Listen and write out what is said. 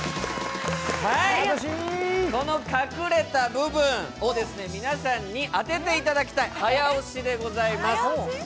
この隠れた部分を皆さんに当てていただきたい、早押しです。